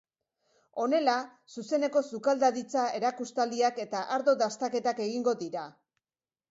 Honela, zuzeneko sukaldaritza erakustaldiak eta ardo dastaketak egingo dira.